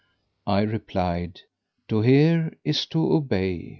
I replied, "To hear is to obey!"